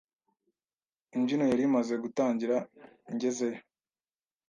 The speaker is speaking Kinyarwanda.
Imbyino yari imaze gutangira ngezeyo.